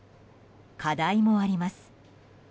課題もあります。